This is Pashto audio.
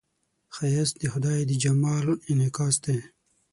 ښایست د خدای د جمال انعکاس دی